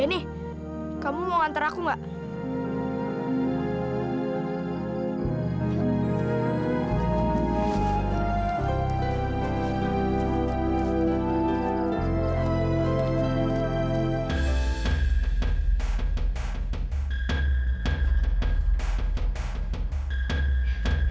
aku harus ngebawesin penta